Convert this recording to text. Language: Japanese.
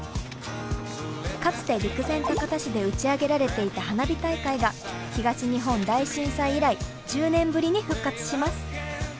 かつて陸前高田市で打ち上げられていた花火大会が東日本大震災以来１０年ぶりに復活します。